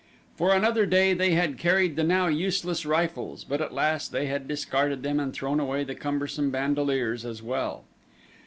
For another day they had carried the now useless rifles; but at last they had discarded them and thrown away the cumbersome bandoleers, as well.